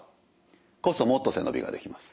こうするともっと背伸びができます。